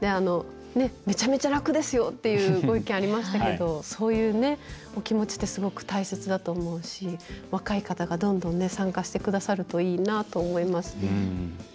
めちゃめちゃ楽ですよっていうご意見ありましたけどそういうお気持ちってすごく大切だと思うし若い方がどんどん参加してくださるといいなと思いますね。